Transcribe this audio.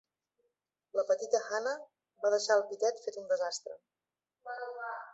La petita Hannah va deixar el pitet fet un desastre.